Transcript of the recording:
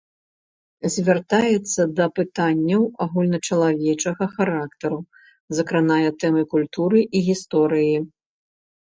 Звяртаецца да пытанняў агульначалавечага характару, закранае тэмы культуры і гісторыі.